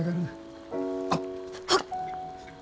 あっ！はっ！